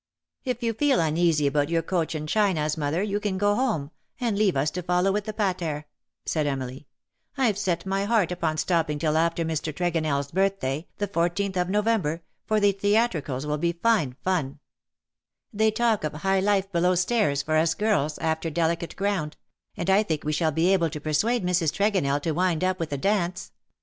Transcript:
" If you feel uneasy about your Cochin Chinas, mother, you can go home, and leave us to follow with the pater," said Emily. " I've set my heart upon stopping till after Mr. Tregonell's birthday, the 14th of November, for the theatricals will be fine 188 " THOU SHOULUST COME LIKE A FURY," ETC. fun. They talk of '' High Life below Stairs '' for us girls^ after " Delicate Ground ;" and I think we shall be able to persuade Mrs. Tregonell to wind up with a dance.